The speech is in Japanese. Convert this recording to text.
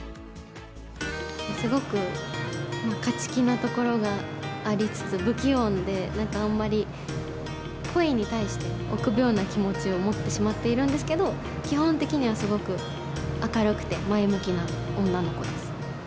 すごく勝ち気なところがありつつ、不器用で、なんかあんまり恋に対して臆病な気持ちを持ってしまっているんですけど、基本的にはすごく明るくて、前向きな女の子です。